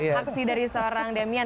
aksi dari seorang demian